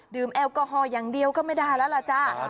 แอลกอฮอลอย่างเดียวก็ไม่ได้แล้วล่ะจ้า